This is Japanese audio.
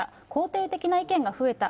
肯定的な意見が増えた。